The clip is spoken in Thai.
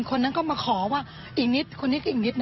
คนนั้นก็มาขอว่าอีกนิดคนนี้ก็อีกนิดน